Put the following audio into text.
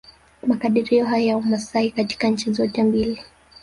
Makadirio hayo ya Wamasai katika nchi zote mbili